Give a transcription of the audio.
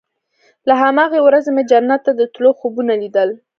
له هماغې ورځې مې جنت ته د تلو خوبونه ليدل.